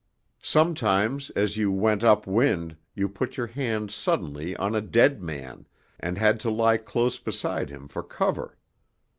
Sometimes as you went up wind you put your hand suddenly on a dead man, and had to lie close beside him for cover.